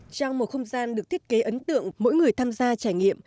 trong một không gian được thiết kế ấn tượng mỗi người tham gia trải nghiệm